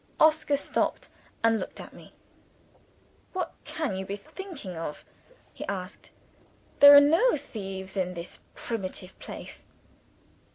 Oscar stopped, and looked at me. "What can you be thinking of!" he asked. "There are no thieves in this primitive place."